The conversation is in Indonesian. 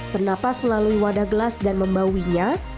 bernapas melalui wadah gelas dan membawinya